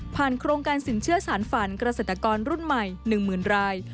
โครงการสินเชื่อสารฝันเกษตรกรรุ่นใหม่๑๐๐๐ราย